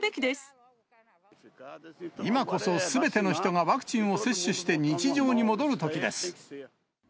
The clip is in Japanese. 今こそ、すべての人がワクチンを接種して、日常に戻るときです。